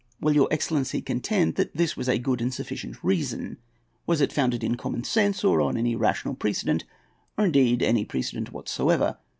Will your excellency contend that this was a good and sufficient reason? Was it founded in common sense, or on any rational precedent, or indeed any precedent whatever?